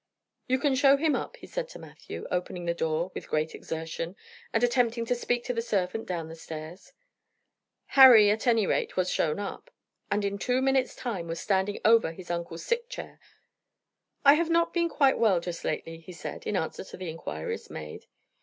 "You can show him up," he said to Matthew, opening the door with great exertion, and attempting to speak to the servant down the stairs. Harry, at any rate, was shown up, and in two minutes' time was standing over his uncle's sick chair. "I have not been quite well just lately," he said, in answer to the inquiries made.